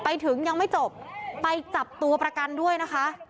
ไปถึงยังไม่จบไปจับตัวประกันด้วยนะคะ